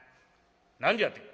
「何じゃて？